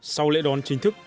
sau lễ đón chính thức